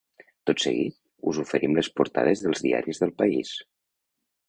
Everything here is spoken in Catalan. Tot seguit, us oferim les portades dels diaris del país.